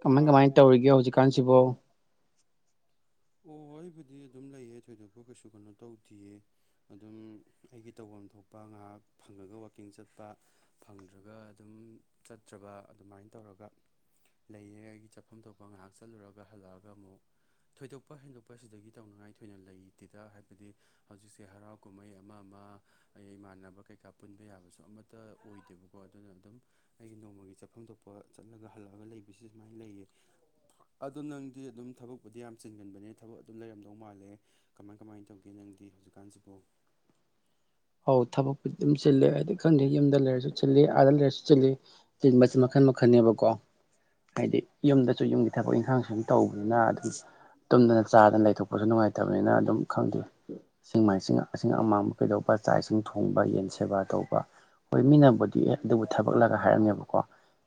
ꯀꯃꯥꯏ ꯀꯃꯥꯏꯅ ꯇꯥꯔꯕꯣ ꯇꯧꯔꯤꯒꯦ ꯍꯧꯖꯤꯛꯀꯥꯟꯁꯤꯕꯣ ꯑꯣ ꯑꯩꯕꯨꯗꯤ ꯑꯗꯨꯝ ꯂꯩꯌꯦ ꯊꯣꯏꯗꯣꯛꯄ ꯀꯩꯁꯨ ꯀꯩꯅꯣ ꯇꯧꯗꯦꯌꯦ ꯑꯗꯨꯝ ꯑꯩꯒꯤ ꯇꯧꯐꯝ ꯊꯣꯛꯄ ꯉꯥꯏꯍꯥꯛ ꯐꯪꯉꯒ ꯋꯥꯛꯀꯤꯡ ꯆꯠꯄ ꯐꯪꯗ꯭ꯔꯒ ꯑꯗꯨꯝ ꯆꯠꯇ꯭ꯔꯕ ꯑꯗꯨꯃꯥꯏꯅ ꯇꯧꯔꯒ ꯂꯩꯌꯦ ꯑꯩꯒꯤ ꯆꯠꯐꯝ ꯊꯣꯛꯄ ꯉꯥꯏꯍꯥꯛ ꯆꯠꯂꯨꯔꯒ ꯍꯜꯂꯛꯑꯒ ꯑꯃꯨꯛ ꯊꯣꯏꯗꯣꯛꯄ ꯍꯦꯟꯗꯣꯛꯄꯁꯤꯗꯒꯤ ꯇꯧꯅꯤꯡꯉꯥꯏ ꯊꯣꯏꯅ ꯂꯩꯇꯦꯗ ꯍꯥꯏꯕꯗꯤ ꯍꯧꯖꯤꯛꯁꯦ ꯍꯔꯥꯎ ꯀꯨꯝꯍꯩ ꯑꯃ ꯑꯃ ꯑꯩ ꯏꯃꯥꯟꯅꯕ ꯀꯩꯀꯥ ꯄꯨꯟꯕ ꯌꯥꯕꯁꯨ ꯑꯃꯠꯇ ꯑꯣꯏꯗꯦꯕꯀꯣ ꯑꯗꯨꯅ ꯑꯗꯨꯝ ꯑꯩꯒꯤ ꯅꯣꯡꯃꯒꯤ ꯆꯠꯐꯝ ꯊꯣꯛꯄ ꯆꯠꯂꯒ ꯍꯜꯂꯛꯑꯒ ꯂꯩꯕꯁꯤ ꯁꯨꯃꯥꯏꯅ ꯂꯩꯌꯦ ꯑꯗꯣ ꯅꯪꯗꯤ ꯑꯗꯨꯝ ꯊꯕꯛꯄꯨꯗꯤ ꯌꯥꯝ ꯆꯤꯟꯒꯟꯕꯅꯦ ꯊꯕꯛ ꯑꯗꯨꯝ ꯂꯩꯔꯝꯗꯧ ꯃꯥꯜꯂꯦ ꯀꯃꯥꯏ ꯀꯃꯥꯏꯅ ꯇꯧꯒꯦ ꯅꯪꯗꯤ ꯍꯧꯖꯤꯛꯀꯥꯟꯁꯤꯕꯨ ꯍꯧ ꯊꯕꯛꯄꯨꯗꯤ ꯑꯗꯨꯝ ꯆꯤꯜꯂꯤꯦ ꯍꯥꯏꯗꯤ ꯈꯪꯗꯦ ꯌꯨꯝꯗ ꯂꯩꯔꯁꯨ ꯆꯤꯜꯂꯤ ꯑꯥꯗ ꯂꯩꯔꯁꯨ ꯆꯤꯜꯂꯤ ꯆꯤꯟꯕꯁꯤ ꯃꯈꯟ ꯃꯈꯟꯅꯦꯕꯀꯣ ꯍꯥꯏꯗꯤ ꯌꯨꯝꯗꯁꯨ ꯌꯨꯝꯒꯤ ꯊꯕꯛ ꯏꯪꯈꯥꯡ ꯁꯨꯝ ꯇꯧꯕꯅꯤꯅ ꯑꯗꯨꯝ ꯇꯨꯝꯗꯅ ꯆꯥꯗꯅ ꯂꯩꯊꯣꯛꯄꯁꯨ ꯅꯨꯡꯉꯥꯏꯇꯕꯅꯤꯅ ꯑꯗꯨꯝ ꯈꯪꯗꯦ ꯆꯤꯡꯃꯥꯏꯤꯡ ꯑꯁꯤ ꯑꯃꯥꯡꯕ ꯀꯩꯗꯧꯕ ꯆꯥꯛ ꯏꯁꯤꯡ ꯊꯣꯡꯕ ꯌꯦꯟ ꯁꯦꯕꯥ ꯇꯧꯕ ꯍꯣꯏ ꯃꯤꯅꯕꯨꯗꯤ ꯑꯦ ꯑꯗꯨꯕꯨ ꯊꯕꯛꯂꯒ ꯍꯥꯏꯔꯝꯃꯦꯕꯀꯣ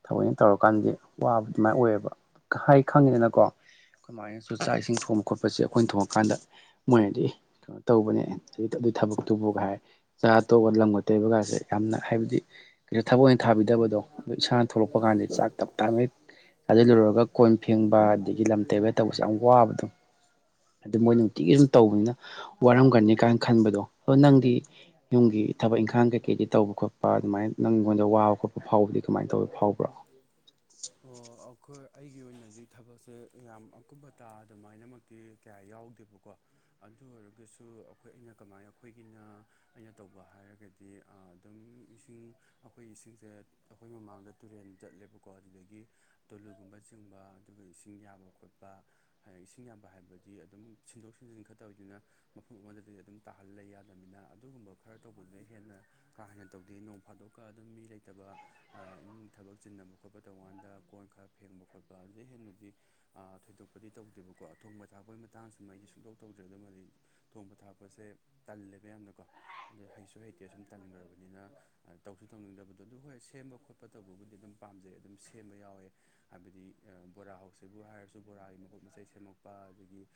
ꯊꯑꯣꯛꯅ ꯇꯧꯔꯀꯥꯟꯗꯤ ꯋꯥꯕ ꯑꯗꯨꯃꯥꯏꯅ ꯑꯣꯏꯌꯦꯕ ꯍꯥꯏ ꯈꯪꯉꯤꯗꯅꯀꯣ ꯀꯃꯥꯏꯅꯁꯨ ꯆꯥꯛ ꯏꯁꯤꯡ ꯊꯣꯡꯕ ꯈꯣꯠꯄꯁꯦ ꯑꯩꯈꯣꯏꯅ ꯊꯣꯡꯉꯀꯥꯟꯗ ꯃꯣꯏꯅꯗꯤ ꯀꯩꯅꯣ ꯇꯧꯕꯅꯦ ꯑꯗꯨ ꯑꯗꯨ ꯊꯕꯛꯇꯨꯕꯨꯒ ꯍꯥꯏꯔꯦ ꯆꯥ ꯑ ꯇꯣꯒ ꯂꯝꯪꯒ ꯇꯩꯕ ꯀꯥꯁꯦ ꯌꯥꯝꯅ ꯍꯥꯏꯕꯗꯤ ꯊꯕꯛ ꯑꯣꯏꯅ ꯊꯥꯕꯤꯗꯕꯗꯣ ꯑꯗꯣ ꯏꯁꯥꯅ ꯊꯣꯛꯂꯛꯄ ꯀꯥꯟꯗ ꯆꯥꯛ ꯇꯞ ꯇꯥꯅ ꯑꯗꯨ ꯂꯔꯨꯔꯒ ꯀꯣꯟ ꯐꯦꯡꯕ ꯑꯗꯒꯤ ꯂꯝ ꯇꯩꯕ ꯇꯧꯕꯁꯦ ꯌꯥꯝ ꯋꯥꯕꯗꯣ ꯃꯣꯏ ꯅꯨꯡꯇꯤꯒꯤ ꯁꯨꯝ ꯇꯧꯕꯅꯤꯅ ꯋꯥꯔꯝꯒꯅꯤ ꯀꯥꯏꯅ ꯈꯟꯕꯗꯣ ꯑꯗꯣ ꯅꯪꯗꯤ ꯌꯨꯝꯒꯤ ꯊꯕꯛ ꯏꯪꯈꯥꯡ ꯀꯩꯀꯩꯗꯤ ꯇꯧꯕ ꯈꯣꯠꯄ ꯑꯗꯨꯃꯥꯏꯅ ꯅꯪꯉꯣꯟꯗ ꯋꯥꯕ ꯈꯣꯠꯄ ꯐꯥꯎꯕꯗꯤ ꯀꯃꯥꯏꯅ ꯇꯧꯋ ꯐꯥꯎꯕ꯭ꯔꯣ ꯑꯣ ꯑꯩꯈꯣꯏ ꯑꯩꯒꯤ ꯑꯣꯏꯅꯗꯤ ꯊꯕꯛꯁꯦ ꯌꯥꯝ ꯑꯀꯨꯞꯄ ꯇꯥ ꯑꯗꯨꯃꯥꯏꯅꯃꯛ ꯀꯌꯥ ꯌꯥꯎꯗꯦꯕꯀꯣ ꯑꯗꯨ ꯑꯣꯏꯔꯒꯁꯨ ꯑꯩꯈꯣꯏ ꯑꯩꯅ ꯀꯃꯥꯏꯅ ꯑꯩꯈꯣꯏꯒꯤꯅ ꯑꯩꯅ ꯇꯧꯕ ꯍꯥꯏꯔꯒꯗꯤ ꯑꯗꯨꯝ ꯏꯁꯤꯡ ꯑꯩꯈꯣꯏ ꯏꯁꯤꯡꯁꯦ ꯑꯩꯈꯣꯏ ꯃꯃꯥꯡꯗ ꯇꯨꯔꯦꯟ ꯆꯠꯂꯦꯕꯀꯣ ꯑꯗꯨꯗꯒꯤ ꯑꯒꯤ ꯇꯨꯂꯨꯒꯨꯝꯕ ꯆꯤꯡꯕ ꯑꯗꯨꯒ ꯏꯁꯤꯡ ꯌꯥꯕ ꯈꯣꯠꯄ ꯏꯁꯤꯡ ꯌꯥꯝꯕ ꯍꯥꯏꯕꯗꯤ ꯑꯗꯨꯝ ꯁꯤꯟꯗꯣꯛ ꯁꯤꯟꯖꯤꯟ ꯈꯛ ꯇꯧꯏꯗꯨꯅ ꯃꯐꯝ ꯑꯃꯗꯗꯤ ꯑꯗꯨꯝ ꯇꯥꯍꯜ ꯂꯩ ꯌꯥꯗꯅꯤꯅ ꯑꯗꯨꯒꯨꯝꯕ ꯈꯔ ꯇꯧꯕꯗꯨꯅ ꯍꯦꯟꯅ ꯀꯥ ꯍꯦꯟꯅ ꯇꯧꯗꯦ ꯅꯣꯡ ꯐꯥꯗꯣꯛꯀ ꯑꯗꯨꯝ ꯃꯤ ꯂꯩꯇꯕ ꯏꯃꯨꯡꯒꯤ ꯊꯕꯛ ꯆꯤꯟꯅꯕ ꯈꯣꯠꯄ ꯇꯧꯀꯥꯟꯗ ꯀꯣꯟ ꯈꯔ ꯐꯦꯡꯕ ꯈꯣꯠꯄ ꯑꯗꯨꯗ ꯍꯦꯟꯅꯗꯤ ꯊꯣꯏꯗꯣꯛꯄꯗꯤ ꯇꯧꯗꯦꯕꯀꯣ ꯊꯣꯡꯕ ꯊꯥꯛꯄꯒꯤ ꯃꯇꯥꯡꯁꯤꯃ ꯑꯩꯗꯤ ꯁꯨꯛꯇꯧ ꯇꯧꯗ꯭ꯔꯦ ꯑꯗꯨꯃꯗꯤ ꯊꯣꯡꯕ ꯊꯥꯛꯄꯁꯦ ꯇꯜꯂꯦꯕꯌꯥꯝꯅꯀꯣ ꯑꯗ ꯍꯩꯁꯨ ꯍꯩꯇꯦ ꯁꯁꯨꯝ ꯇꯟꯈ꯭ꯔꯕꯅꯤꯅ ꯇꯧꯁꯨ ꯇꯧꯅꯤꯡꯗꯕꯗꯣ ꯑꯗꯨ ꯍꯣꯏ ꯁꯦꯝꯕ ꯈꯣꯠꯄ ꯇꯧꯕꯕꯨꯗꯤ ꯑꯗꯨꯝ ꯄꯥꯝꯖꯩ ꯑꯗꯨꯝ ꯁꯦꯝꯕ ꯌꯥꯎꯋꯦ ꯍꯥꯏꯕꯗꯤ ꯕꯣꯔꯥ ꯍꯥꯎꯁꯤꯕꯨ ꯍꯥꯏꯔꯁꯨ ꯕꯣꯔꯥꯒꯤ ꯃꯍꯣꯠ ꯃꯆꯩ ꯁꯦꯝꯃꯛꯄ ꯑꯗꯒꯤ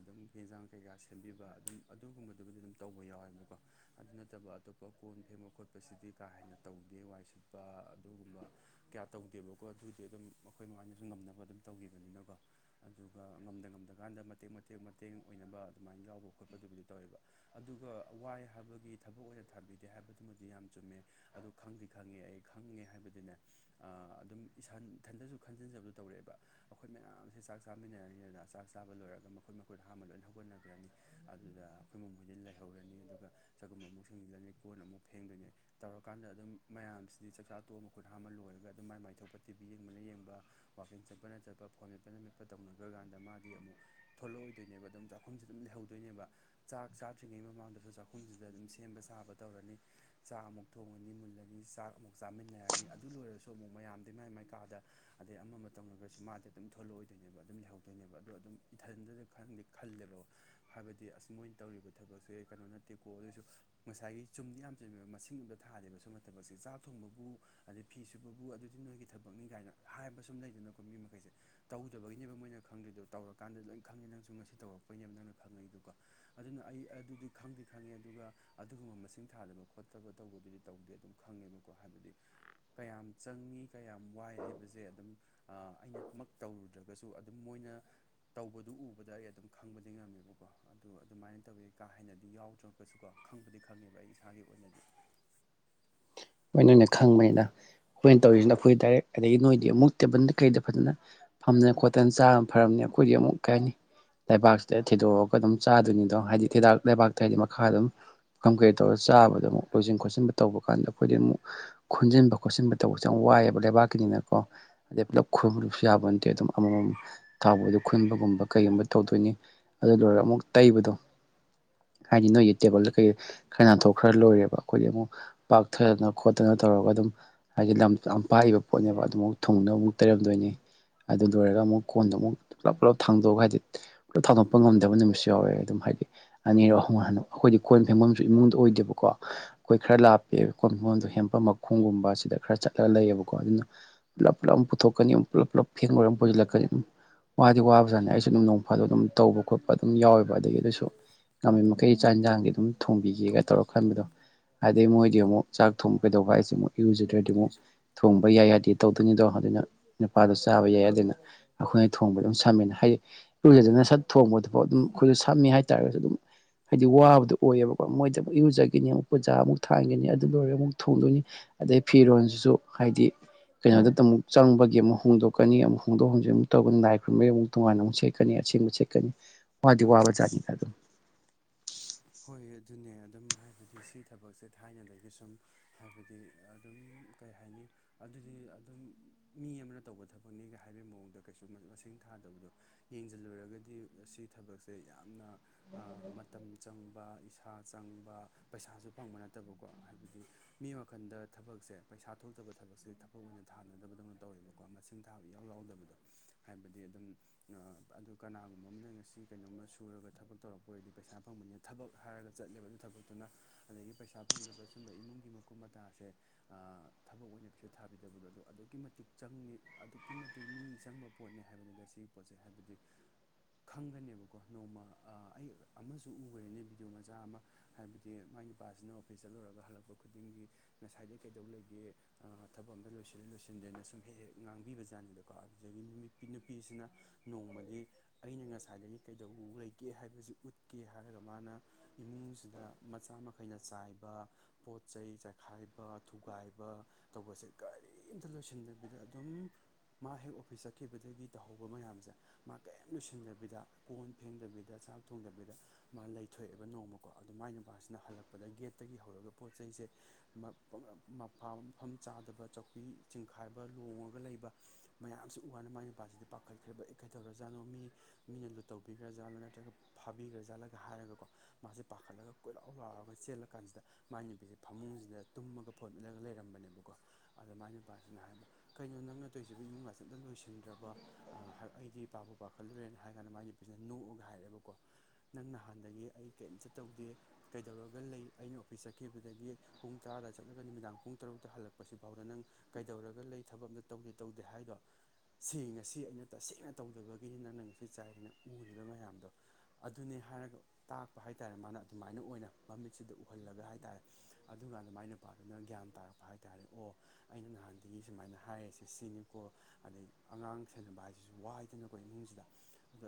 ꯑꯗꯨꯝ ꯌꯦꯟꯖꯥꯡ ꯀꯩꯀꯥ ꯁꯦꯝꯕꯤꯕ ꯑꯗꯨꯝ ꯑꯗꯨꯒꯨꯝꯕꯗꯨꯕꯨꯗꯤ ꯑꯗꯨꯝ ꯇꯧꯕ ꯌꯥꯎꯋꯦꯕꯀꯣ ꯑꯗꯨ ꯅꯠꯇꯕ ꯑꯇꯣꯞꯄ ꯀꯣꯟ ꯐꯦꯡꯕ ꯈꯣꯠꯄꯁꯤꯗꯤ ꯀꯥ ꯍꯦꯟꯅ ꯇꯧꯗꯦ ꯋꯥꯏ ꯁꯤꯠꯄ ꯑꯗꯨꯒꯨꯝꯕ ꯀꯌꯥ ꯇꯧꯗꯦꯕꯀꯣ ꯑꯗꯨꯒꯤꯗꯤ ꯑꯗꯨꯝ ꯃꯈꯣꯏ ꯃꯃꯥꯏꯗꯁꯨ ꯉꯝꯅꯕ ꯑꯗꯨꯝ ꯇꯧꯈꯤꯕꯅꯤꯅꯀꯣ ꯑꯗꯨꯒ ꯉꯝꯗ ꯉꯝꯗꯀꯥꯟꯗ ꯃꯇꯦꯛ ꯃꯇꯦꯛ ꯃꯇꯦꯡ ꯑꯣꯏꯅꯕ ꯑꯗꯨꯃꯥꯏꯅ ꯌꯥꯎꯕ ꯈꯣꯠꯄꯗꯨꯕꯨꯗꯤ ꯇꯧꯋꯦꯕ ꯑꯗꯨꯒ ꯋꯥꯏ ꯍꯥꯕꯒꯤ ꯊꯕꯛ ꯑꯣꯏꯅ ꯊꯥꯕꯤꯗꯦ ꯍꯥꯏꯕꯗꯨꯃꯗꯤ ꯌꯥꯝ ꯆꯨꯝꯃꯦ ꯑꯗꯨ ꯈꯪꯗꯤ ꯈꯪꯉꯦ ꯑꯩ ꯈꯪꯉꯦ ꯍꯥꯏꯕꯗꯨꯅꯦ ꯑꯗꯨꯝ ꯏꯁꯟ ꯏꯊꯟꯗꯁꯨ ꯈꯟꯖꯤꯟꯖꯕꯗꯨ ꯇꯧꯔꯛꯑꯦꯕ ꯑꯩꯈꯣꯏ ꯃꯌꯥꯝꯁꯦ ꯆꯥꯛ ꯆꯥꯃꯤꯟꯅꯔꯅꯤꯗꯅ ꯆꯥꯛ ꯆꯥꯕ ꯂꯣꯏꯔꯒ ꯃꯈꯣꯏ ꯃꯈꯣꯏꯗꯣ ꯑꯍꯥꯟꯕ ꯂꯣꯏꯅ ꯍꯧꯒꯠꯅꯈ꯭ꯔꯅꯤ ꯑꯗꯨꯗ ꯑꯩꯈꯣꯏ ꯃꯃꯣꯏꯗꯤ ꯂꯩꯍꯧꯔꯅꯤ ꯑꯗꯨꯒ ꯆꯒꯨꯝꯕ ꯑꯃꯨꯛ ꯁꯤꯁꯤꯡꯖꯤꯜꯂꯅꯤ ꯀꯣꯟ ꯑꯃꯨꯛ ꯐꯦꯡꯗꯣꯏꯅꯤ ꯇꯧꯔꯀꯥꯟꯗ ꯑꯗꯨꯝ ꯃꯌꯥꯝꯁꯤꯗꯤ ꯆꯥꯛꯆꯥ ꯇꯣꯑꯃ ꯈꯨꯠ ꯍꯥꯝꯃ ꯂꯣꯏꯔꯒ ꯑꯗꯨꯝ ꯃꯥꯏ ꯃꯥꯏ ꯊꯣꯛꯄ ꯇꯤꯚꯤ ꯌꯦꯡꯕꯅ ꯌꯦꯡꯕ ꯋꯥꯋꯥꯛꯀꯤꯡ ꯆꯠꯄꯅ ꯆꯠꯄ ꯐꯣꯟ ꯃꯦꯠꯄꯅ ꯃꯦꯠꯄ ꯇꯧꯅꯈ꯭ꯔꯀꯥꯟꯗ ꯃꯥꯗꯤ ꯑꯃꯨꯛ ꯊꯣꯛꯂꯛꯑꯣꯏꯗꯣꯏꯅꯦꯕ ꯑꯗꯨꯝ ꯆꯥꯛꯈꯨꯝꯁꯦ ꯑꯗꯨꯝ ꯂꯩꯍꯧꯗꯣꯏꯅꯦꯕ ꯆꯥꯛ ꯆꯥꯗ꯭ꯔꯤꯉꯩ ꯃꯃꯥꯡꯗꯁꯨ ꯆꯥꯛꯈꯨꯝꯁꯤꯗ ꯑꯗꯨꯝ ꯁꯦꯝꯕ ꯁꯥꯕ ꯇꯧꯔꯅꯤ ꯆꯥꯛ ꯑꯃꯨꯛ ꯊꯣꯡꯉꯅꯤ ꯃꯨꯜꯂꯒ ꯆꯥꯛ ꯑꯃꯨꯛ ꯆꯥꯃꯤꯟꯅꯔꯅꯤ ꯑꯗꯨ ꯂꯣꯏꯔꯁꯨ ꯑꯣ ꯑꯃꯨꯛ ꯃꯌꯥꯝꯗꯤ ꯃꯥꯏ ꯃꯥꯏꯀꯥꯗ ꯑꯗꯩ ꯑꯃ ꯑꯃ ꯇꯧꯅꯒꯁꯨ ꯃꯥꯗꯤ ꯑꯗꯨꯝ ꯊꯣꯛꯂꯛꯑꯣꯏꯗꯣꯏꯅꯦꯕ ꯑꯗꯨꯝ ꯂꯩꯍꯧꯗꯣꯏꯅꯦꯕ ꯑꯗꯣ ꯑꯗꯨꯝ ꯏꯊꯟꯗꯅ ꯈꯪꯗꯦ ꯈꯜꯂꯦꯕ ꯍꯥꯏꯕꯗꯤ ꯑꯁ ꯃꯣꯏꯅ ꯇꯧꯔꯤꯕ ꯊꯕꯛꯁꯦ ꯀꯩꯅꯣ ꯅꯠꯇꯦꯀꯣ ꯑꯗꯨꯑꯣꯏꯁꯨ ꯉꯁꯥꯏꯒꯤ ꯆꯨꯝꯗꯤ ꯌꯥꯝ ꯆꯨꯝꯃꯦꯕ ꯃꯁꯤꯡ ꯑꯝꯗ ꯊꯥꯗꯦꯕ ꯁ ꯃꯇꯝꯕ ꯑꯁꯤ ꯆꯥꯛ ꯊꯣꯡꯕꯕꯨ ꯑꯗꯩ ꯐꯤꯁꯨ ꯁꯤꯕꯕꯨ ꯑꯗꯨꯗꯤ ꯅꯣꯏꯒꯤ ꯊꯕꯛꯅꯤ ꯀꯥꯏꯅ ꯍꯥꯏꯕ ꯁꯨꯝ ꯂꯩꯗꯅꯀꯣ ꯃꯤ ꯃꯈꯩꯁꯦ ꯇꯧꯗꯕꯒꯤꯅꯦꯕ ꯃꯣꯏꯅ ꯈꯪꯗꯦꯗꯣ ꯇꯧꯔꯀꯥꯟꯗ ꯂꯣꯏ ꯈꯪꯉꯦ ꯅꯪꯁꯨ ꯉꯁꯤ ꯇꯧꯔꯛꯄꯩꯅꯦꯕ ꯅꯪꯅ ꯈꯪꯉꯛꯏꯗꯨꯀꯣ ꯑꯗꯨꯅ ꯑꯩ ꯑꯗꯨꯗꯤ ꯈꯪꯗꯤ ꯈꯪꯉꯦ ꯑꯗꯨꯒ ꯑꯗꯨꯒꯨꯝꯕ ꯃꯁꯤꯡ ꯊꯥꯗꯕ ꯈꯣꯠꯇꯕ ꯇꯧꯕꯗꯨꯗꯤ ꯇꯧꯗꯦ ꯑꯗꯨꯝ ꯈꯪꯉꯦꯕꯀꯣ ꯍꯥꯏꯕꯗꯤ ꯀꯌꯥꯝ ꯆꯪꯏꯤ ꯀꯌꯥꯝ ꯋꯥꯏ ꯍꯥꯏꯕꯁꯦ ꯑꯗꯨꯝ ꯑꯩꯅꯃꯛ ꯇꯧꯔꯨꯗ꯭ꯔꯒꯁꯨ ꯑꯗꯨꯝ ꯃꯣꯏꯅ ꯇꯧꯕꯗꯨ ꯎꯕꯗ ꯑꯩ ꯑꯗꯨꯝ ꯈꯪꯕꯗꯤ ꯉꯝꯃꯦꯕꯀꯣ ꯑꯗꯨꯗꯣ ꯑꯗꯨꯃꯥꯏꯅ ꯇꯧꯋꯦ ꯀꯥ ꯍꯦꯟꯅꯗꯤ ꯌꯥꯎꯗ꯭ꯔꯒꯁꯨꯀꯣ ꯈꯪꯕꯗꯤ ꯈꯪꯉꯦꯕ ꯑꯩ ꯏꯁꯥꯒꯤ ꯑꯣꯏꯅꯗꯤ ꯃꯣꯏ ꯅ ꯑꯣꯏꯅ ꯈꯪꯕꯅꯤꯅ ꯑꯩꯈꯣꯏꯅ ꯇꯧꯔꯤꯁꯤꯅ ꯑꯩꯈꯣꯏ ꯗꯥꯏꯔꯦꯛ ꯑꯗꯒꯤ ꯅꯣꯏꯗꯤ ꯑꯃꯨꯛ ꯇꯦꯕꯜꯗ ꯀꯩꯗ ꯐꯖꯅ ꯐꯝꯗꯅ ꯈꯣꯠꯇꯅ ꯆꯥꯅ ꯐꯔꯝꯅꯤ ꯑꯩꯈꯣꯏꯗꯤ ꯑꯃꯨꯛ ꯀꯩ ꯍꯥꯏꯅꯤ ꯂꯩꯕꯥꯛꯁꯤꯗ ꯊꯤꯗꯣꯛꯑꯒ ꯑꯗꯨꯝ ꯆꯥꯗꯣꯏꯅꯤꯗꯣ ꯍꯥꯏꯗꯤ ꯊꯤꯗꯥꯛ ꯂꯩꯕꯥꯛꯇ ꯍꯥꯏꯗꯤ ꯃꯈꯥ ꯑꯗꯨꯝ ꯄꯨꯈꯝ ꯀꯩ ꯇꯧꯔꯒ ꯆꯥꯕꯗꯨꯛ ꯂꯣꯏꯁꯤꯟ ꯈꯣꯠꯆꯤꯟꯕ ꯇꯧꯕ ꯀꯥꯟꯗ ꯑꯩꯈꯣꯏꯗꯤ ꯑꯃꯨꯛ ꯈꯣꯟꯟꯖꯤꯟꯕ ꯈꯣꯠꯆꯤꯟꯕ ꯇꯧꯕꯁꯨꯦ ꯌꯥꯝ ꯋꯥꯏꯑꯕ ꯂꯩꯕꯥꯛꯀꯤꯅꯤꯅꯀꯣ ꯑꯗꯩ ꯄꯨꯂꯞ ꯈꯣꯏꯕ ꯂꯁꯨ ꯌꯥꯕ ꯅꯠꯇꯦ ꯑꯗꯨꯝ ꯑꯃꯃꯝ ꯊꯥꯎꯕꯗ ꯈꯨꯟꯕꯒꯨꯝꯕ ꯀꯩꯒꯨꯝꯕ ꯇꯧꯗꯣꯏꯅꯤ ꯑꯗꯨꯂꯣꯏꯔꯒ ꯑꯃꯨꯛ ꯇꯩꯕꯗꯣ ꯍꯥꯏꯗꯤ ꯅꯣꯏꯒꯤ ꯇꯦꯕꯜꯗ ꯀꯩ ꯈꯔꯅꯥꯟꯊꯣꯛ ꯈꯔ ꯂꯣꯏꯔꯦꯕ ꯑꯩꯈꯣꯏꯗꯤ ꯑꯃꯨꯛ ꯐꯗꯅ ꯈꯣꯠꯇꯅ ꯇꯧꯔꯒ ꯑꯗꯨꯝ ꯍꯥꯏꯗꯤ ꯂꯝ ꯆꯥꯎꯅꯄꯥꯛꯥꯛꯏꯕ ꯄꯣꯠꯅꯦꯕ ꯑꯗꯨꯝꯃꯥꯎ ꯊꯨꯡꯅꯕ ꯑꯃꯨꯛ ꯇꯩꯔꯝꯗꯣꯏꯅꯦ ꯑꯗꯨ ꯂꯣꯏꯔꯒ ꯑꯃꯨꯛ ꯀꯣꯟꯗꯣ ꯑꯃꯨꯛ ꯄꯨꯂꯞ ꯄꯨꯂꯞ ꯊꯥꯡꯗꯣꯛꯑꯒ ꯍꯥꯏꯗꯤ ꯈꯔ ꯊꯥꯗꯣꯛꯄ ꯉꯝꯗꯕ ꯅꯨꯃꯤꯠꯁꯨ ꯌꯥꯎꯋꯦ ꯑꯗꯨꯝ ꯍꯥꯏꯗꯤ ꯑꯅꯤꯔꯛ ꯑꯍꯨꯝ ꯑꯩꯈꯣꯏꯗꯤ ꯀꯣꯏ ꯐꯦꯡꯐꯝꯨ ꯏꯃꯨꯡꯗ ꯑꯣꯏꯗꯦꯕꯀꯣ ꯑꯩꯈꯣꯏ ꯈꯔ ꯂꯥꯞ ꯀ ꯃꯤꯉꯣꯟꯗ ꯍꯦꯝꯄꯝ ꯃꯈꯣꯡꯒꯨꯝꯕ ꯁꯤꯗ ꯈꯔ ꯆꯠꯂꯒ ꯂꯩꯌꯦꯕꯀꯣ ꯑꯗꯨꯅ ꯄꯨꯂꯞ ꯄꯨꯂꯞ ꯑꯃ ꯄꯨꯊꯣꯛꯀꯅꯤ ꯄꯨꯂꯞ ꯄꯨꯂꯞ ꯐꯦꯟꯕꯔ ꯑꯃ ꯄꯨꯁꯤꯜꯂꯛꯀꯅꯤ ꯋꯥꯗꯤ ꯋꯥꯕꯖꯥꯅꯤ ꯑꯩꯁꯨ ꯑꯗꯨꯝ ꯅꯣꯡ ꯐꯥꯗꯣ ꯑꯗꯨꯝ ꯇꯧꯕ ꯈꯣꯠꯄ ꯑꯗꯨꯝ ꯌꯥꯎꯋꯦꯕ ꯑꯗꯒꯤ ꯑꯗꯨꯁꯨ ꯉꯃꯤ ꯃꯈꯩ ꯆꯥꯛ ꯏꯟꯁꯥꯡꯒꯤ ꯑꯗꯨꯝ ꯊꯣꯡꯕꯤꯒꯦꯒ ꯇꯧꯔ ꯊꯣꯡꯕꯤꯒꯦ ꯈꯟꯕꯗꯣ ꯑꯗꯩ ꯃꯣꯏꯗꯤ ꯑꯃꯨꯛ ꯆꯥꯛ ꯊꯣꯡ ꯀꯩꯗꯧꯕ ꯍꯥꯏꯁꯤ ꯑꯃꯨꯛ ꯏꯔꯨꯖꯗ꯭ꯔꯗꯤ ꯑꯃꯨꯛ ꯏꯔꯨꯖ ꯊꯣꯡꯕ ꯌꯥꯏ ꯌꯥꯗꯦ ꯇꯧꯗꯣꯏꯅꯤꯗꯣ ꯑꯗꯨꯅ ꯅꯨꯄꯥꯗꯣ ꯆꯥꯕ ꯌꯥꯏ ꯑꯗꯨꯅ ꯑꯩꯈꯣꯏꯅ ꯊꯣꯡꯕ ꯑꯗꯨꯝ ꯁꯝꯃꯦꯅ ꯍꯥꯏꯗꯤ ꯏꯔꯨꯖꯗꯅ ꯁꯠ ꯊꯣꯡꯕꯗꯨꯐꯥꯎ ꯑꯗꯨꯝ ꯑꯩꯈꯣꯏꯁꯨ ꯁꯝꯃꯤ ꯍꯥꯏꯇꯥꯔꯒꯁꯨ ꯑꯗꯨꯝ ꯍꯥꯏꯗꯤ ꯋꯥꯕꯗꯣ ꯑꯣꯏꯌꯦꯕꯀꯣ ꯃꯣꯏꯗ ꯑꯃꯨ ꯏꯔꯨꯖꯒꯅꯤ ꯑꯃꯨꯛ ꯄꯨꯖꯥ ꯑꯃꯨꯛ ꯈꯥꯡꯒꯅꯤ ꯑꯗꯨ ꯂꯣꯏꯔꯒ ꯑꯃꯨꯛ ꯊꯣꯡꯗꯣꯏꯅꯤ ꯑꯗꯩ ꯐꯤꯔꯣꯁꯤꯁꯨ ꯍꯥꯏꯗꯤ ꯀꯩꯅꯣꯗꯇ ꯑꯃꯨꯛ ꯆꯪꯕꯒꯤ ꯑꯃꯛ ꯍꯣꯡꯗꯣꯛꯀꯅꯤ ꯑꯃꯨꯛ ꯍꯣꯡꯗꯣꯛ ꯍꯣꯡꯖꯤꯟ ꯑꯃꯨꯛ ꯇꯩꯒꯟ ꯑꯃꯎꯛ ꯂꯥꯏ ꯈꯨꯔꯕꯒꯤ ꯑꯃꯨꯛ ꯇꯣꯉꯥꯟꯅ ꯑꯃꯨꯛ ꯁꯦꯠꯀꯅꯤ ꯑꯁꯤꯃꯨꯛ ꯁꯦꯠꯀꯅꯤ ꯋꯥꯗꯤ ꯋꯥꯕ ꯖꯥꯠꯅꯤꯗ ꯑꯗꯨꯝ ꯍꯣꯏ ꯑꯗꯨꯅꯦ ꯑꯗꯨꯝ ꯍꯥꯏꯕꯗꯤ ꯁꯤ ꯊꯕꯛꯁꯦ ꯊꯥꯏꯅꯗꯒꯤ ꯁꯨꯝ ꯍꯥꯏꯕꯗꯤ ꯑꯗꯨꯝ ꯀꯩ ꯍꯥꯏꯅꯤ ꯑꯗꯨꯗꯤ ꯑꯗꯨꯝ ꯃꯤ ꯑꯃꯅ ꯇꯧꯕ ꯊꯕꯛꯅꯤꯒ ꯍꯥꯏꯕꯒꯤ ꯃꯑꯣꯡꯗ ꯀꯩꯁꯨ ꯃꯁꯤꯡ ꯊꯥꯗꯕꯗꯣ ꯌꯦꯡꯁꯤꯜꯂꯨꯔꯒꯗꯤ ꯑꯁꯤ ꯊꯕꯛꯁꯦ ꯌꯥꯝꯅ ꯃꯇꯝ ꯆꯪꯕ ꯏꯁꯥ ꯆꯪꯕ ꯄꯩꯁꯥꯁꯨ ꯐꯪꯕ ꯅꯠꯇꯕꯀꯣ ꯍꯥꯏꯕꯗꯤ ꯃꯤ ꯋꯥꯈꯟꯗ ꯊꯕꯛꯁꯦ ꯄꯩꯁꯥ ꯊꯣꯛꯇꯕ ꯊꯕꯛꯁꯦ ꯊꯕꯛ ꯑꯣꯏꯅ ꯊꯥꯅꯗꯕꯗꯧꯅ ꯇꯧꯋꯦꯕꯀꯣ ꯃꯁꯤꯡ ꯊꯥꯕ ꯏꯌꯥꯎ ꯌꯥꯎꯗꯕꯗꯣ ꯍꯥꯏꯕꯗꯤ ꯑꯗꯨꯝ ꯑꯗꯨ ꯀꯅꯥꯒꯨꯝꯕ ꯑꯃꯅ ꯉꯁꯤ ꯀꯩꯅꯣꯝꯃ ꯁꯨꯔꯒ ꯊꯕꯛ ꯇꯧꯔꯛꯄ ꯑꯣꯏꯔꯗꯤ ꯄꯩꯁꯥ ꯐꯪꯕꯅꯤꯅ ꯊꯕꯛ ꯍꯥꯏꯔꯒ ꯆꯠꯂꯦꯕ ꯑꯗꯨ ꯊꯕꯛꯇꯨꯅ ꯑꯗꯒꯤ ꯄꯩꯁꯥ ꯐꯪꯗꯕ ꯑꯗꯨꯝꯕ ꯏꯃꯨꯡꯒꯤ ꯃꯀꯨꯞ ꯃꯇꯁꯦ ꯊꯕꯛ ꯑꯣꯏꯅ ꯀꯩꯁꯨ ꯊꯥꯕꯤꯗꯕꯗꯣ ꯑꯗꯨ ꯑꯗꯨꯛꯀꯤ ꯃꯇꯤꯛ ꯆꯪꯉꯤ ꯑꯗꯨꯛꯀꯤ ꯃꯇꯤꯛ ꯃꯤ ꯆꯪꯕ ꯄꯣꯠꯅꯦ ꯍꯥꯏꯕꯅꯤꯗ ꯁꯤꯒꯤ ꯄꯣꯠꯁꯦ ꯍꯥꯏꯕꯗꯤ ꯈꯪꯒꯅꯦꯕ ꯀꯣ ꯅꯣꯡꯃ ꯑꯩ ꯑꯃꯁꯨ ꯎꯈꯔꯦꯅꯦ ꯚꯤꯗꯤꯑꯣ ꯃꯆꯥ ꯑꯃ ꯍꯥꯏꯕꯗꯤ ꯃꯥꯏ ꯅꯨꯄꯥꯁꯤꯅ ꯑꯣꯐꯤꯁ ꯆꯠꯂꯨꯔꯒ ꯍꯜꯂꯛꯄ ꯈꯨꯗꯤꯡꯒꯤ ꯉꯁꯥꯏꯗꯒꯤꯩ ꯀꯩꯗꯧ ꯂꯩꯒꯦ ꯊꯕꯛ ꯑꯝꯗ ꯂꯣꯏꯁꯤꯜ ꯂꯣꯏꯁꯤꯟꯗꯦꯅ ꯁꯨꯝ ꯍꯦꯛ ꯍꯦꯛ ꯉꯥꯡꯕꯤꯕꯖꯠꯅꯤꯗꯀꯣ ꯑꯗꯨꯗꯒꯤ ꯅꯨꯄꯤ ꯅꯨꯄꯤꯁꯤꯅ ꯅꯣꯡꯃꯗꯤ ꯑꯩꯅ ꯉꯁꯥꯏꯗꯒꯤ ꯀꯩꯗꯧꯕ ꯂꯩꯒꯦ ꯍꯥꯏꯕꯁꯤ ꯎꯠꯀꯦ ꯍꯥꯏꯔꯒ ꯃꯥꯅ ꯏꯃꯨꯡꯁꯤꯗ ꯃꯆꯥ ꯃꯈꯩꯅ ꯆꯥꯏꯕ ꯄꯣꯠ ꯆꯩꯩ ꯆꯥꯈꯥꯏꯕ ꯊꯨꯒꯥꯏꯕ ꯇꯧꯕꯁꯦ ꯀꯔꯤꯝꯇ ꯂꯣꯏꯁꯤꯟꯗꯕꯤꯗ ꯑꯗꯨꯝ ꯃꯥ ꯍꯦꯛ ꯑꯣꯐꯤꯁ ꯆꯠꯈꯤꯕꯗꯒꯤ ꯇꯧꯍꯧꯕ ꯃꯌꯥꯝꯁꯦ ꯃꯥ ꯀꯔꯤꯝ ꯂꯣꯏꯁꯤꯗꯕꯤꯗ ꯀꯣꯟ ꯐꯦꯡꯗꯕꯤꯗ ꯆꯥꯛ ꯊꯣꯡꯗꯕꯤꯗ ꯃꯥ ꯂꯩꯊꯣꯛꯑꯦꯕ ꯅꯣꯡꯃꯀꯣ ꯑꯗ ꯃꯥꯏ ꯅꯨꯄꯥꯁꯤꯅ ꯍꯜꯂꯛꯄꯗ ꯒꯦꯠꯇꯒꯤ ꯍꯧꯔꯒ ꯄꯣꯠ ꯆꯩꯁꯦ ꯃ ꯃꯞ ꯃꯄꯥ ꯃꯐꯝ ꯆꯥꯗꯕ ꯆꯧꯀꯤ ꯆꯤꯡꯈꯥꯏꯕ ꯂꯣꯉꯒ ꯂꯩꯕ ꯃꯌꯥꯝꯁꯤ ꯎ ꯋꯥꯅ ꯃꯥꯏ ꯅꯨꯄꯥꯁꯤꯗ ꯄꯥꯈꯠꯈ꯭ꯔꯦꯕ ꯑꯩ ꯀꯩꯊꯧꯔ ꯖꯥꯠꯅꯣ ꯃꯤ ꯃꯤꯅ ꯂꯨꯠ ꯇꯧꯕꯤꯈ꯭ꯔꯥꯖꯥꯠꯂꯥ ꯅꯠꯇ꯭ꯔꯒ ꯐꯥꯕꯤꯈ꯭ꯔꯥꯖꯠꯂꯒ ꯍꯥꯏꯔꯒꯀꯣ ꯃꯥꯁꯦ ꯄꯥꯈꯠꯂꯒ ꯀꯣꯏꯔꯥꯎ ꯂꯥꯎꯔꯒ ꯆꯦꯜꯂ ꯀꯥꯟꯁꯤꯗ ꯃꯥꯏ ꯅꯨꯄꯤꯖꯦ ꯐꯃꯨꯡꯖꯤꯗ ꯇꯨꯝꯃꯒ ꯐꯣꯟ ꯃꯦꯠꯂꯒ ꯂꯩꯔꯝꯕꯅꯦꯕꯀꯣ ꯑꯗ ꯃꯥꯏ ꯅꯨꯄꯥꯁꯤꯅ ꯍꯥꯏꯕ ꯀꯩꯅꯣ ꯅꯪꯅ ꯇꯣꯏꯁꯤꯕꯨ ꯏꯃꯨꯡꯒꯥꯁꯦ ꯑꯝꯇ ꯂꯣꯏꯁꯤꯟꯗ꯭ꯔꯕ ꯑ ꯍꯥꯏꯕ ꯑꯩꯗꯤ ꯄꯥꯕꯨꯨ ꯄꯥꯈꯠꯂꯨꯔꯦꯅ ꯍꯥꯏꯔ ꯀꯥꯟꯗ ꯃꯥꯒꯤ ꯅꯨꯄꯤꯁꯤꯅ ꯅꯣꯛꯑꯒ ꯍꯥꯏꯔꯦꯕꯀꯣ ꯅꯪ ꯅꯍꯥꯟꯗꯒꯤ ꯑꯩ ꯀꯦꯝꯇ ꯇꯧꯗꯦ ꯀꯩꯗꯧꯔꯒ ꯂꯩ ꯑꯩꯅ ꯑꯣꯐꯤꯁ ꯆꯠꯈꯤꯕꯗꯒꯤ ꯄꯨꯡ ꯇꯔꯥꯗ ꯆꯠꯂꯒ ꯅꯨꯃꯤꯗꯥꯡ ꯄꯨꯡ ꯇꯔꯨꯛꯇ ꯍꯜꯂꯛꯄꯁꯤꯐꯥꯎꯗ ꯅꯪ ꯀꯩꯗꯧꯔꯒ ꯂꯩ ꯊꯕꯛ ꯑꯃꯇ ꯇꯧꯗꯦ ꯇꯧꯗꯦ ꯍꯥꯏꯗꯣ ꯁꯤ ꯉꯁꯤ ꯑꯩꯅ ꯇꯁꯦꯡꯅ ꯇꯧꯗꯕꯒꯤꯅꯤ ꯅꯪꯅ ꯉꯁꯤ ꯆꯥꯏꯔꯤꯅ ꯎꯔꯤꯕ ꯃꯌꯥꯝꯗꯣ ꯑꯗꯨꯅꯦ ꯍꯥꯏꯔꯒ ꯇꯥꯛꯄ ꯍꯥꯏ ꯇꯥꯔꯦ ꯃꯥꯅ ꯑꯗꯨꯃꯥꯏꯅ ꯑꯣꯏꯅ ꯃꯃꯤꯠꯁꯤꯗ ꯎꯍꯜꯂꯒ ꯍꯥꯏ ꯇꯥꯔꯦ ꯑꯗꯨꯀꯥꯟꯗ ꯃꯥꯏ ꯅꯨꯄꯥꯗꯨꯅ ꯒ꯭ꯌꯥꯟ ꯇꯥꯔꯛꯄ ꯍꯥꯏꯇꯥꯥꯔꯦ ꯑꯣ ꯑꯩꯅ ꯅꯍꯥꯟꯗꯒꯤ ꯁꯨꯃꯥꯏꯅ ꯍꯥꯏꯔꯤꯁꯦ ꯁꯤꯅꯤꯀꯣ ꯑꯗꯩ ꯑꯉꯥꯡ ꯁꯦꯅꯕ ꯍꯥꯏꯁꯤꯁꯨ ꯋꯥꯏꯗꯅꯀꯣ ꯏꯃꯨꯡꯁꯤꯗ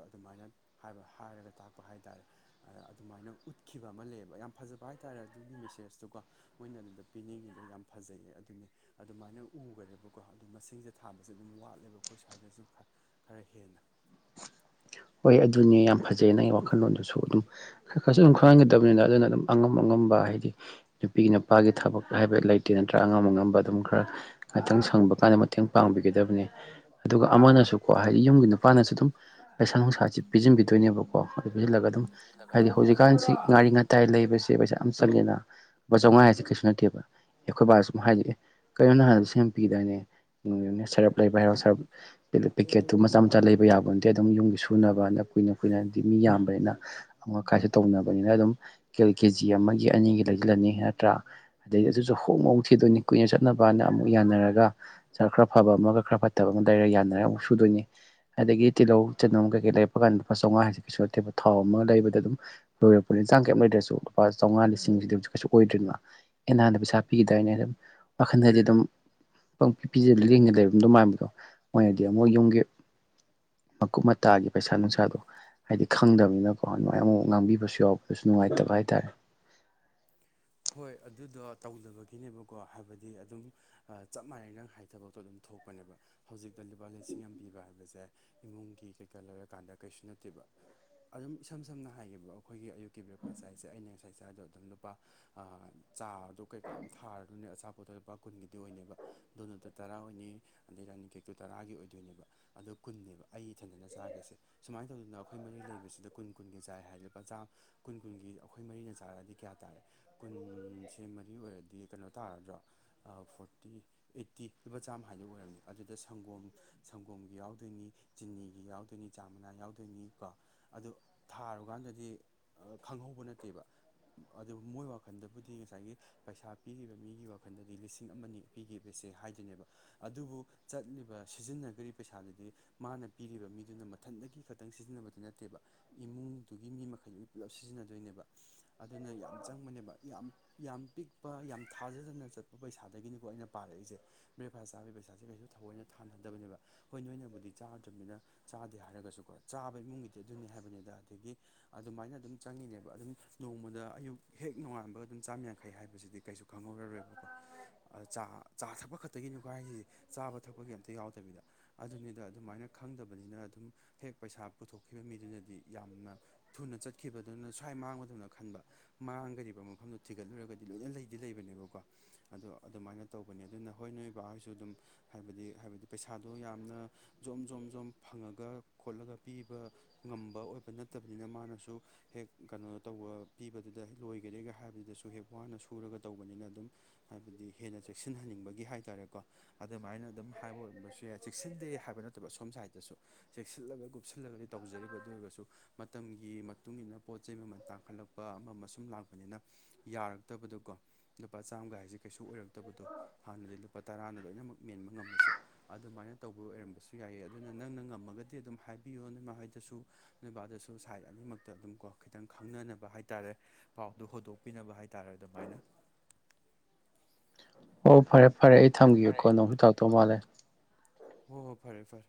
ꯑꯗꯣ ꯑꯗꯨꯃꯥꯏꯅ ꯍꯥꯏꯕ ꯍꯥꯏꯔꯒ ꯇꯥꯛꯄ ꯍꯥꯏꯇꯥꯔꯦ ꯑ ꯑꯗꯨꯃꯥꯏꯅ ꯎꯠꯈꯤꯕ ꯑꯃ ꯂꯩꯌꯦꯕ ꯌꯥꯝ ꯐꯖꯕ ꯍꯥꯏ ꯇꯥꯔꯦ ꯑꯗꯨꯒꯤ ꯃꯦꯁꯦꯁꯇꯨꯀꯣ ꯃꯣꯏꯅ ꯑꯗꯨꯗ ꯄꯤꯅꯤꯡꯉꯤꯗꯣ ꯌꯥꯝ ꯐꯖꯩꯌꯦ ꯑꯗꯨꯅꯤ ꯑꯗꯨꯃꯥꯏꯅ ꯎꯒꯔꯦꯕꯀꯣ ꯑꯗꯣ ꯃꯁꯤꯡꯖꯦ ꯊꯥꯕꯁꯦ ꯑꯗꯨꯝ ꯋꯥꯠꯂꯦꯕ ꯑꯩꯈꯣꯏ ꯁ꯭ꯋꯥꯏꯗꯁꯨ ꯈꯔ ꯈꯔ ꯍꯦꯟꯅ ꯍꯣꯏ ꯑꯗꯨꯅꯦ ꯌꯥꯝ ꯐꯖꯩ ꯅꯪꯒꯤ ꯋꯥꯈꯜꯂꯣꯟꯗꯨꯁꯨ ꯑꯗꯨꯝ ꯈꯔ ꯈꯔꯁꯨ ꯑꯗꯨꯝ ꯈꯪꯍꯟꯒꯗꯕꯅꯤꯅ ꯑꯗꯨꯅ ꯑꯗꯨꯝ ꯑꯉꯝ ꯑꯉꯝꯕ ꯍꯥꯏꯗꯤ ꯅꯨꯄꯤ ꯅꯨꯄꯥꯒꯤ ꯊꯕꯛ ꯍꯥꯏꯕ ꯂꯩꯇꯦ ꯅꯠꯇ꯭ꯔꯥ ꯑꯉꯝ ꯑꯉꯝꯕ ꯑꯗꯨꯝ ꯈꯔ ꯉꯥꯛꯇꯪ ꯁꯪꯕ ꯀꯥꯟꯗ ꯃꯇꯦꯡ ꯄꯥꯡꯕꯤꯒꯗꯕꯅꯤ ꯑꯗꯨꯒ ꯑꯃꯅꯁꯨꯀꯣ ꯍꯥꯏꯗꯤ ꯌꯨꯝꯒꯤ ꯅꯨꯄꯥꯅꯁꯨ ꯑꯗꯨꯝ [inaudible] ꯄꯥꯏꯁꯥ ꯅꯨꯡꯁꯥꯁꯤ ꯄꯤꯖꯤꯟꯕꯤꯗꯣꯏꯅꯦꯕꯀꯣ ꯑꯗꯨ ꯄꯤꯁꯤꯜꯂꯒ ꯑꯗꯨꯝ ꯍꯥꯏꯗꯤ ꯍꯧꯖꯤꯛꯀꯥꯟꯁꯤ ꯉꯥꯔꯤ ꯉꯥ ꯇꯥꯏ ꯂꯩꯕꯁꯦ ꯄꯩꯁꯥ ꯌꯥꯝ ꯆꯪꯉꯦꯅ ꯂꯨꯄꯥꯥ ꯆꯧꯉꯥ ꯍꯥꯏꯁꯦ ꯀꯩꯁꯨ ꯅꯠꯇꯦꯕ ꯑꯩꯈꯣꯏ ꯕꯥꯁꯨ ꯁꯨꯝ ꯍꯥꯏꯗꯣꯏꯅꯦ ꯑꯦ ꯀꯩꯅꯣ ꯅꯍꯥꯟ ꯂꯤꯁꯤꯡ ꯑꯝ ꯄꯤꯗꯥꯏꯅꯦ ꯁꯔꯞ ꯂꯩꯕ ꯍꯥꯏꯔꯣ ꯁꯔꯞ [unintelligible] ꯄꯦꯀꯦꯠꯇꯨ ꯃꯆꯥ ꯃꯆꯥ ꯂꯩꯕ ꯌꯥꯕ ꯅꯠꯇꯦ ꯑꯗꯨꯝ ꯌꯨꯝꯒꯤ ꯁꯨꯅꯕꯅ ꯀꯨꯏꯅ ꯀꯨꯏꯅꯗꯤ ꯃꯤ ꯌꯥꯝꯕꯅꯤꯅ ꯑꯃꯣꯠ ꯑꯀꯥꯏꯁꯨ ꯇꯧꯅꯕꯅꯤꯅ ꯑꯗꯨꯝ ꯀꯦꯜ ꯀꯦꯖꯤ ꯑꯃꯒꯤ ꯑꯅꯤꯒꯤ ꯂꯩꯖꯤꯜꯂꯅꯤ ꯅꯠꯇ꯭ꯔꯥ ꯑꯗꯩ ꯑꯗꯨꯖꯨ [unintelligible] ꯊꯤꯗꯣꯏꯅꯤ ꯀꯨꯏꯅ ꯆꯠꯅꯕꯅ ꯑꯃꯨꯛ ꯌꯥꯅꯔꯒ ꯁꯔꯞ ꯈꯔ ꯐꯕ ꯑꯃꯒ ꯈꯔ ꯐꯠꯇꯕ ꯑꯃꯒ ꯂꯩꯔ ꯌꯥꯅꯔꯒ ꯑꯃꯨꯛ ꯁꯨꯗꯣꯏꯅꯤ ꯑꯗꯒꯤ ꯇꯤꯜꯂꯧ ꯆꯅꯝ ꯀꯩꯀꯩ ꯂꯩꯔꯛꯄꯀꯥꯟ ꯂꯨꯄꯥ ꯆꯧꯉꯥ ꯍꯥꯏꯁꯦ ꯀꯩꯁꯨ ꯅꯠꯇꯦꯕ ꯊꯥꯎ ꯑꯃ ꯂꯩꯕꯗ ꯑꯗꯨꯝ ꯂꯣꯏꯔꯛꯄꯅꯦ ꯆꯥꯡ ꯀꯩꯏꯝ ꯂꯩꯗꯔ꯭ꯁꯨ ꯂꯨꯄꯥ ꯆꯧꯉꯥ ꯂꯤꯁꯤꯡꯁꯤꯗꯤ ꯍꯧꯖꯤꯛ ꯀꯩꯁꯨ ꯑꯣꯏꯗ꯭ꯔꯦꯗꯅ ꯑꯦ ꯅꯍꯥꯟꯗ ꯄꯩꯁꯥ ꯄꯤꯒꯤꯗꯥꯏꯅꯦ ꯑꯗꯨꯝ ꯋꯥꯈꯟꯗꯗꯤ ꯑꯗꯨꯝ ꯄꯪꯄꯤ ꯄꯤꯖꯜ ꯂꯦꯡꯗꯅ ꯂꯩꯔꯝꯗꯣꯏ ꯃꯥꯟꯕꯗꯣ ꯃꯣꯏꯅꯗꯤ ꯑꯃꯨꯛ ꯌꯨꯝꯒꯤ ꯃꯀꯨꯞ ꯃꯇꯥꯒꯤ ꯄꯩꯁꯥ ꯅꯨꯡꯁꯥꯗꯣ ꯍꯥꯏꯗꯤ ꯈꯪꯗꯝꯅꯤꯅꯀꯣ ꯗꯨꯃꯥꯢ ꯑꯃꯨꯃꯨꯛ ꯉꯥꯡꯕꯤꯕꯁꯨ ꯌꯥꯎꯕꯗꯁꯨ ꯅꯨꯡꯉꯥꯏꯇꯕ ꯍꯥꯏꯇꯥꯔꯦ ꯍꯣꯏ ꯑꯗꯨꯗꯣ ꯇꯧꯗꯕꯒꯤꯅꯦꯕꯀꯣ ꯍꯥꯏꯕꯗꯤ ꯑꯗꯨꯝ ꯑꯥ ꯆꯞ ꯃꯥꯟꯅꯩ ꯅꯪ ꯍꯥꯏ ꯊꯕꯛꯇꯣ ꯑꯗꯨꯝ ꯊꯣꯛꯄꯅꯦꯕ ꯍꯧꯖꯤꯛꯇ ꯂꯨꯄꯥ ꯂꯤꯁꯤꯡ ꯑꯝ ꯄꯤꯕ ꯍꯥꯏꯕꯁꯦ ꯏꯃꯨꯡꯒꯤ ꯀꯩꯀꯥ ꯂꯩꯔꯀꯥꯟꯗ ꯀꯩꯁꯨ ꯅꯠꯇꯦꯕ ꯑꯗꯨꯝ ꯏꯁꯝ ꯁꯝꯅ ꯍꯥꯏꯒꯦꯕꯀꯣ ꯑꯈꯣꯏꯒꯤ ꯑꯌꯨꯛꯀꯤ ꯕ꯭ꯔꯦꯛꯐꯥꯁ ꯆꯥꯏꯁꯦ ꯑꯩꯅ ꯉꯁꯥꯏ ꯆꯥꯏꯗꯣ ꯑꯗꯨꯝ ꯂꯨꯄꯥ ꯑꯥ ꯆꯥꯗꯣ ꯀꯩꯀꯥ ꯑꯝ ꯊꯥꯔꯅꯨꯅꯦ ꯑꯆꯥꯄꯣꯠꯇꯣ ꯂꯨꯄꯥ ꯀꯨꯟꯒꯤꯗꯤ ꯑꯣꯏꯅꯦꯕ ꯗꯣꯅꯠꯇꯨ ꯇꯔꯥ ꯑꯣꯏꯅꯤ ꯑꯗꯩ ꯔꯥꯅꯤ ꯀꯦꯛꯇꯨ ꯇꯔꯥꯒꯤ ꯑꯣꯏꯗꯣꯏꯅꯦꯕ ꯑꯗꯣ ꯀꯨꯟꯅꯦꯕ ꯑꯩ ꯏꯊꯟꯗꯅ ꯆꯥꯈꯩꯁꯦ ꯁꯨꯃꯥꯏ ꯇꯧꯗꯅ ꯑꯈꯣꯏ ꯃꯔꯤ ꯂꯩꯕꯁꯤꯗ ꯀꯨꯟ ꯀꯨꯟꯒꯤ ꯆꯥꯏ ꯍꯥꯏꯔꯗꯤ ꯂꯨꯄꯥ ꯆꯥꯝ ꯀꯨꯟ ꯀꯨꯟꯒꯤ ꯑꯈꯣꯏ ꯃꯔꯤꯅ ꯆꯥꯔꯛꯑꯗꯤ ꯀꯌꯥ ꯇꯥꯔꯦ ꯀꯨꯟꯁꯦ ꯃꯔꯤ ꯑꯣꯏꯔꯗꯤ ꯀꯩꯅꯣ ꯇꯥꯔꯗ꯭ꯔꯣ ꯑꯥ ꯐꯣꯔꯇꯤ ꯑꯩꯠꯇꯤ ꯂꯨꯄꯥ ꯆꯥꯝꯃ ꯍꯥꯏꯗꯨ ꯑꯣꯏꯔꯝꯅꯤ ꯑꯗꯨꯗ ꯁꯪꯒꯣꯝ ꯁꯪꯒꯣꯝꯒꯤ ꯌꯥꯎꯗꯣꯏꯅꯤ ꯆꯤꯅꯤꯒꯤ ꯌꯥꯎꯗꯣꯏꯅꯤ ꯆꯥ ꯃꯅꯥ ꯌꯥꯎꯗꯣꯏꯅꯤ ꯀꯣ ꯑꯗꯨ ꯊꯥꯔꯨꯀꯥꯟꯗꯗꯤ ꯑ ꯈꯪꯍꯧꯕ ꯅꯠꯇꯦꯕ ꯑꯗꯨ ꯃꯣꯏ ꯋꯥ ꯈꯟꯗꯕꯨꯗꯤ ꯉꯁꯥꯏꯒꯤ ꯄꯩꯁꯥ ꯄꯤꯔꯤꯕ ꯃꯤꯒꯤ ꯋꯥꯈꯟꯗꯗꯤ ꯂꯤꯁꯤꯡ ꯑꯃꯅꯤ ꯄꯤꯒꯤꯕꯁꯦ ꯍꯥꯏꯗꯣꯏꯅꯦꯕ ꯑꯗꯨꯕꯨ ꯆꯠꯂꯤꯕ ꯁꯤꯖꯤꯟꯅꯒꯔꯤ ꯄꯩꯁꯥꯗꯨꯗꯤ ꯃꯥꯅ ꯄꯤꯔꯤꯕ ꯃꯤꯗꯨꯅ ꯃꯊꯟꯗꯒꯤ ꯈꯛꯇꯪ ꯁꯤꯖꯤꯟꯅꯕꯗꯤ ꯅꯠꯇꯦꯕ ꯏꯃꯨꯡꯗꯨꯒꯤ ꯃꯤ ꯃꯈꯩꯗꯨꯒꯤ ꯄꯨꯜꯂꯞ ꯁꯤꯖꯤꯟꯅꯗꯣꯏꯅꯦꯕ ꯑꯗꯨꯅ ꯌꯥꯝ ꯆꯪꯕꯅꯦꯕ ꯌꯥꯝ ꯌꯥꯝ ꯄꯤꯛꯄ ꯌꯥꯝ ꯊꯥꯖꯗꯅ ꯆꯠꯄ ꯄꯩꯁꯥꯗꯒꯤꯅꯤꯀꯣ ꯑꯩꯅ ꯄꯥꯔꯛꯏꯁꯦ ꯕ꯭ꯔꯦꯛꯐꯥꯁ ꯆꯥꯕꯩ ꯄꯩꯁꯥꯖꯦ ꯀꯩꯁꯨ ꯊꯑꯣꯏꯅ ꯊꯥꯅꯗꯕꯅꯦꯕ ꯍꯣꯏ ꯅꯣꯏꯅꯕꯨꯗꯤ ꯆꯥꯗ꯭ꯔꯝꯅꯤꯅ ꯆꯥꯗꯦ ꯍꯥꯏꯔꯒꯁꯨꯀꯣ ꯆꯥꯕ ꯏꯃꯨꯡꯒꯤꯗꯤ ꯑꯗꯨꯅꯤ ꯍꯥꯏꯕꯅꯤꯗ ꯑꯗꯒꯤ ꯑꯗꯨꯃꯥꯏꯅ ꯑꯗꯨꯝ ꯆꯪꯉꯤꯅꯦꯕ ꯑꯗꯨꯝ ꯅꯣꯡꯃꯗ ꯑꯌꯨꯛ ꯍꯦꯛ ꯅꯣꯡꯉꯥꯟ ꯕ ꯑꯗꯨꯝ ꯆꯥꯝ ꯌꯥꯡꯈꯩ ꯍꯥꯏꯕꯁꯤꯗꯤ ꯀꯩꯁꯨ ꯈꯪꯍꯧꯔꯔꯣꯏꯕꯀꯣ ꯆꯥ ꯆꯥ ꯊꯛꯄ ꯈꯇꯒꯤꯅꯤꯀꯣ ꯍꯥꯏꯁꯤꯁꯦ ꯆꯥꯕ ꯊꯛꯄꯒꯤ ꯑꯝꯇ ꯌꯥꯎꯗꯕꯤꯗ ꯑꯗꯨꯅꯤꯗ ꯑꯗꯨꯃꯥꯏꯅ ꯈꯪꯗꯕꯅꯤꯅ ꯑꯗꯨꯝ ꯍꯦꯛ ꯄꯩꯁꯥ ꯄꯨꯊꯣꯛꯈꯤꯕ ꯃꯤꯗꯨꯅꯗꯤ ꯌꯥꯝꯅ ꯊꯨꯅ ꯆꯠꯈꯤꯕꯗꯨꯅ ꯁ꯭ꯋꯥꯏ ꯃꯥꯡꯕꯗꯧꯅ ꯈꯟꯕ ꯃꯥꯡꯒꯔꯤꯕ ꯐꯝꯗꯣ ꯊꯤꯒꯠꯂꯨꯔꯒꯗꯤ ꯂꯣꯏꯅ ꯂꯩꯗꯤ ꯂꯩꯕꯅꯦꯕꯀꯣ ꯑꯗꯣ ꯑꯗꯨꯃꯥꯏꯅ ꯇꯧꯕꯅꯦ ꯑꯗꯨꯅ ꯍꯣꯏ ꯅꯣꯏ ꯏꯕꯥꯍꯣꯏꯁꯨ ꯑꯗꯨꯝ ꯍꯥꯏꯕꯗꯤ ꯍꯥꯏꯕꯗꯤ ꯄꯩꯁꯥꯗꯣ ꯌꯥꯝꯅ ꯖꯣꯝ ꯖꯣꯝ ꯖꯣꯝ ꯐꯪꯉꯒ ꯈꯣꯠꯂꯒ ꯄꯤꯕ ꯉꯝꯕ ꯑꯣꯏꯕ ꯅꯠꯇꯕꯅꯤꯅ ꯃꯥꯅꯁꯨ ꯍꯦꯛ ꯀꯩꯅꯣ ꯇꯧꯕ ꯄꯤꯕꯗꯨꯗ ꯂꯣꯏꯒꯔꯦꯒ ꯍꯥꯏꯕ ꯑꯗꯨꯗꯁꯨ ꯍꯦꯛ ꯋꯥꯅ ꯁꯨꯔꯒ ꯇꯧꯕꯅꯤꯅ ꯑꯗꯨꯝ ꯍꯥꯏꯕꯗꯤ ꯍꯦꯟꯅ ꯆꯦꯛꯁꯤꯟꯍꯟꯅꯤꯡꯕꯒꯤ ꯍꯥꯏ ꯇꯥꯔꯦꯀꯣ ꯑꯗꯨꯃꯥꯏꯅ ꯑꯗꯨꯝ ꯍꯥꯏꯕ ꯑꯣꯏꯔꯝꯕꯁꯨ ꯌꯥꯏ ꯆꯦꯛꯁꯤꯟꯗꯦ ꯍꯥꯏꯕ ꯅꯠꯇꯕ ꯑꯁꯣꯝꯁꯥꯏꯠꯇꯁꯨ ꯆꯦꯛꯁꯤꯜꯂꯒ ꯀꯨꯞꯁꯤꯜꯂꯒꯗꯤ ꯇꯧꯖꯔꯤꯕ ꯑꯗꯨ ꯑꯣꯏꯔꯒꯁꯨ ꯃꯇꯝꯒꯤ ꯃꯇꯨꯡ ꯃꯇꯨꯡꯏꯟꯅ ꯄꯣꯠ ꯆꯩ ꯃꯃꯜ ꯇꯥꯡꯈꯠꯂꯛꯄ ꯑꯃ ꯑꯃ ꯁꯨꯝ ꯂꯥꯛꯄꯅꯤꯅ ꯌꯥꯔꯛꯇꯕꯗꯀꯣ ꯂꯨꯄꯥ ꯆꯥꯝꯒ ꯍꯥꯏꯖꯦ ꯀꯩꯁꯨ ꯑꯣꯏꯔꯛꯇꯕꯗꯣ ꯍꯥꯟꯅꯗꯤ ꯂꯨꯄꯥ ꯇꯔꯥꯅ ꯂꯣꯏꯅꯃꯛ ꯃꯦꯟꯕ ꯉꯝꯂꯁꯨ ꯑꯗꯨꯃꯥꯏꯅ ꯇꯧꯕ ꯑꯣꯏꯔꯝꯕꯁꯨ ꯌꯥꯏꯌꯦ ꯑꯗꯨꯅ ꯅꯪꯅ ꯉꯝꯃꯒꯗꯤ ꯑꯗꯨꯝ ꯍꯥꯏꯕꯤꯌꯨ ꯅꯣꯏꯃꯍꯣꯏꯗꯁꯨ ꯅꯣꯏꯕꯥꯗꯁꯨ ꯁꯥꯏꯠ ꯑꯅꯤꯃꯛꯇ ꯑꯗꯨꯝ ꯀꯣ ꯈꯤꯇꯪ ꯈꯪꯅꯅꯕ ꯍꯥꯏꯇꯥꯔꯦ ꯄꯥꯎꯗꯨ ꯍꯣꯗꯣꯛ ꯄꯤꯅꯕ ꯍꯥꯏꯇꯥꯔꯦ ꯑꯗꯨꯃꯥꯏꯅ ꯑꯣ ꯐꯔꯦ ꯐꯔꯦ ꯑꯩ ꯊꯝꯒꯦꯀꯣ ꯅꯪꯁꯨ ꯇꯥꯛꯇꯧ ꯀꯅꯣ ꯃꯥꯜꯂꯦ ꯍꯣ ꯍꯣ ꯐꯔꯦ ꯐꯔꯦ